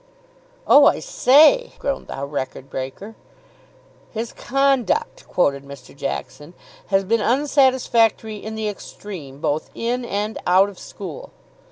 "Oh, I say!" groaned the record breaker. "'His conduct,'" quoted Mr. Jackson, "'has been unsatisfactory in the extreme, both in and out of school.